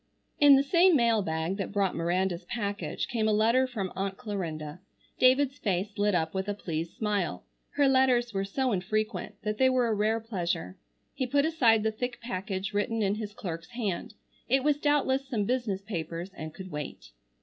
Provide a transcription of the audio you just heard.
In the same mail bag that brought Miranda's package came a letter from Aunt Clarinda. David's face lit up with a pleased smile. Her letters were so infrequent that they were a rare pleasure. He put aside the thick package written in his clerk's hand. It was doubtless some business papers and could wait.